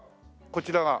こちらが。